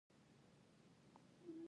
آیا داخلي شرکتونه اکمالات کوي؟